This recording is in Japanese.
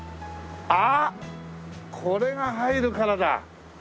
ああっこれが入るからだ！